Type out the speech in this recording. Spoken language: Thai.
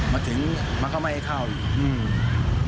มาถึงมาเข้าไม่เคราะห์อีก